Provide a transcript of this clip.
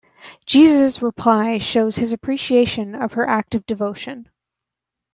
Jesus' reply shows his appreciation of her act of devotion.